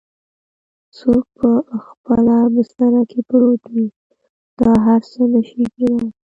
څوک په خپله بستره کې پروت وي دا هر څه نه شي کیدای؟